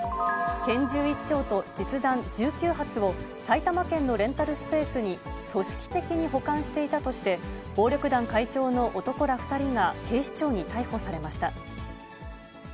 拳銃１丁と実弾１９発を埼玉県のレンタルスペースに組織的に保管していたとして、暴力団会長の男ら２人が警視庁に逮捕されました。